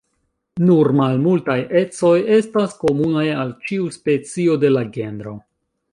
Nur malmultaj ecoj estas komunaj al ĉiu specio de la genro.